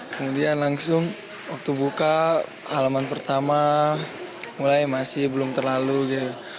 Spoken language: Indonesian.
kemudian langsung waktu buka halaman pertama mulai masih belum terlalu gitu